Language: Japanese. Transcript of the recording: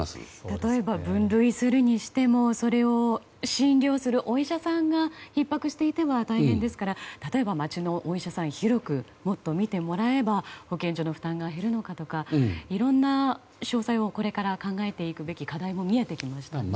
例えば分類するにしてもそれを診療するお医者さんがひっ迫していては大変ですから、例えば町のお医者さんに広く診てもらえれば保健所の負担が減るのかとかいろんな詳細をこれから考えていくべき課題が見えてきましたね。